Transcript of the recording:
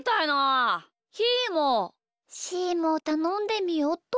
しーもたのんでみよっと。